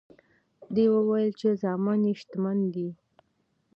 ده وویل چې زامن یې شتمن دي.